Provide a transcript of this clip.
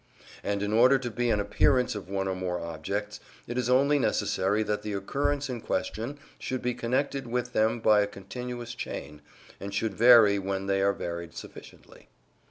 And in order to be an appearance of one or more objects, it is only necessary that the occurrence in question should be connected with them by a continuous chain, and should vary when they are varied sufficiently.